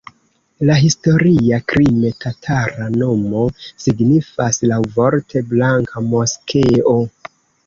La historia krime-tatara nomo signifas laŭvorte "blanka moskeo".